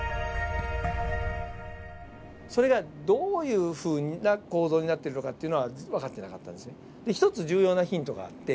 それがどういうふうな構造になっているのかっていうのは分かってなかったんですね。